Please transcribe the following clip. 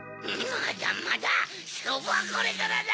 まだまだしょうぶはこれからだ！